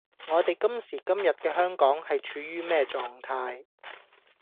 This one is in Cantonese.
我哋今時今日嘅香港係處於咩狀態?